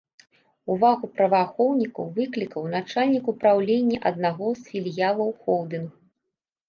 Увагу праваахоўнікаў выклікаў начальнік упраўлення аднаго з філіялаў холдынгу.